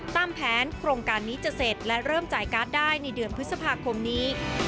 ตามแผนโครงการนี้จะเสร็จและเริ่มจ่ายการ์ดได้ในเดือนพฤษภาคมนี้